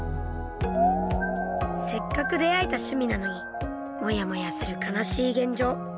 せっかく出会えた趣味なのにもやもやする悲しい現状。